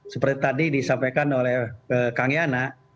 seperti tadi disampaikan oleh kang yana